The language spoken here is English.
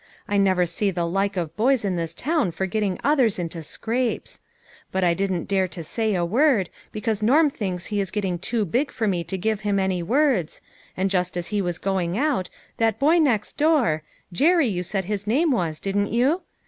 I never see the like of the boys in this town for getting others into scrapes ; but I didn't dare to say a word, because Norm thinks he is getting too big for me to give him any words, and just as he was going out, that boy next door Jerry, you said his name was, didn't you?